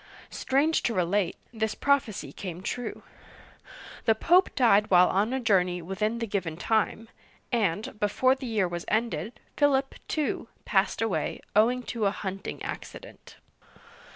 Strange to relate, this prophecy came true. The Pope died while on a journey, within the given time ; and, before the year was ended, Philip, too, passed away, owing to a hunting accident.